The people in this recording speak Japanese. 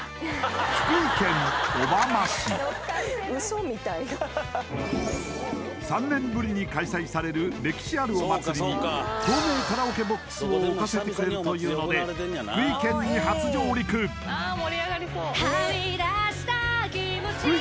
福井県小浜市３年ぶりに開催される歴史あるお祭りに透明カラオケボックスを置かせてくれるというので福井県に初上陸はみ出した気持ち